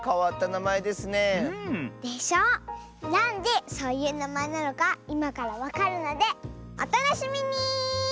なんでそういうなまえなのかいまからわかるのでおたのしみに！